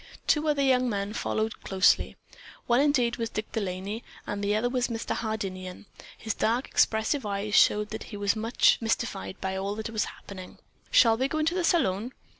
Two other young men followed closely. One indeed was Dick De Laney and the other was Mr. Hardinian. His dark, expressive eyes showed that he was much mystified by all that was happening. "Shall we go into the salon?"